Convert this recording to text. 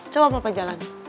coba papa jalan